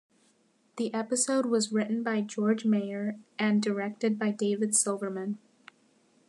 The episode was written by George Meyer and directed by David Silverman.